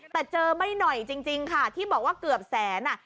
แต่เจอไม่หน่อยจริงค่ะที่บอกว่าเกือบแสนอ่ะ